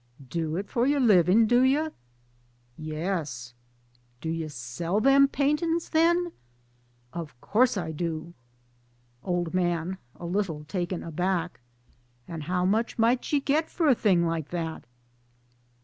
" Do it for your livin', do ye? "" Yes." " Do you sell them paintin's, then? "'" Of course I do." Old Man (a little taken aback) :" And how much might you get for a thing like that?